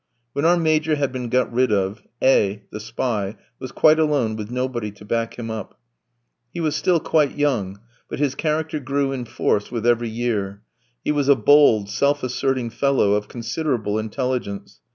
When our Major had been got rid of, A v, the spy, was quite alone with nobody to back him up. He was still quite young, but his character grew in force with every year; he was a bold, self asserting fellow, of considerable intelligence.